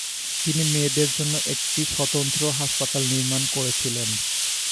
তিনি মেয়েদের জন্য একটি স্বতন্ত্র হাসপাতাল নির্মাণ করেছিলেন।